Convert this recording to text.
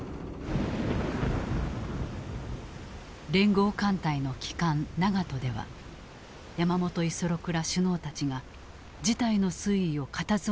聯合艦隊の旗艦長門では山本五十六ら首脳たちが事態の推移を固唾をのんで見守っていた。